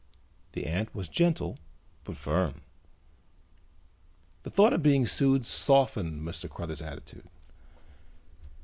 The ant was gentle but firm. The thought of being sued softened Mr. Cruthers' attitude.